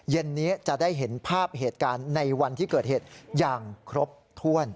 เย็นนี้จะได้เห็นภาพเหตุการณ์ในวันที่เกิดเหตุอย่างครบถ้วน